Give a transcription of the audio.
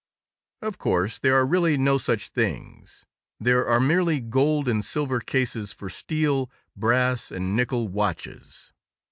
Of course, there are really no such things; there are merely gold and silver cases for steel, brass and nickel watches.